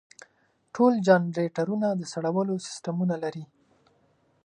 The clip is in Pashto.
ټول جنریټرونه د سړولو سیستمونه لري.